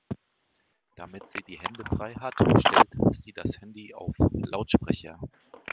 Damit sie die Hände frei hat, stellt sie das Handy auf Lautsprecher.